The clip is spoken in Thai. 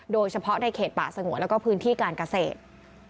โดยเฉพาะในเขตป่าสงวนแล้วก็พื้นที่การเกษตร